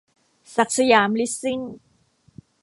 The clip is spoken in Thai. ศักดิ์สยามลิสซิ่ง